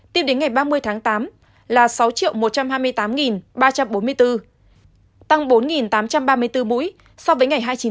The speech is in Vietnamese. tiếp đến ngày ba mươi tháng tám là sáu một trăm hai mươi tám ba trăm bốn mươi bốn tăng bốn tám trăm ba mươi bốn mũi so với ngày hai mươi chín tháng tám